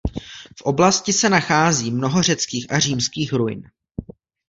V oblasti se nachází mnoho řeckých a římských ruin.